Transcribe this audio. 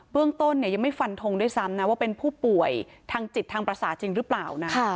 เรื่องต้นยังไม่ฟันทงด้วยซ้ำนะว่าเป็นผู้ป่วยทางจิตทางประสาทจริงหรือเปล่านะ